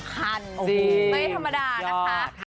คันไม่ธรรมดานะคะ